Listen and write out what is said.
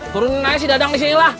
turunin aja si dadang disini lah